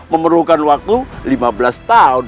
memerlukan waktu lima belas tahun